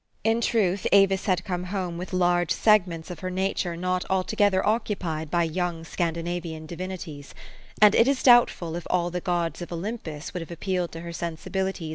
In truth, Avis had come home with large segments of her nature not altogether occupied by young Scan dinavian divinities ; and it is doubtful if all the gods of Olympus would have appealed to her sensibilities THE STORY OF AVIS.